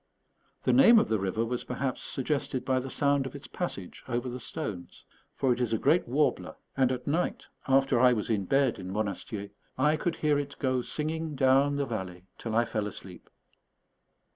The name of the river was perhaps suggested by the sound of its passage over the stones; for it is a great warbler, and at night, after I was in bed in Monastier, I could hear it go singing down the valley till I fell asleep.